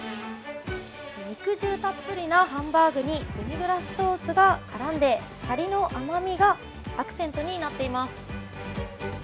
肉汁たっぷりなハンバーグに、デミグラスソースがからんで、しゃりの甘みがアクセントになっています。